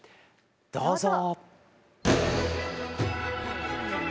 どうぞ。